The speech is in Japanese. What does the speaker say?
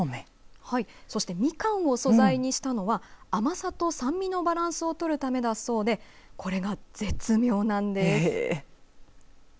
そして、みかんを素材にしたのは甘さと酸味のバランスをとるためだそうでこれが絶妙なんです。